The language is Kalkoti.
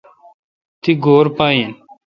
تہ گور پہ این۔